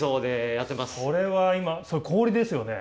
これは今それ氷ですよね？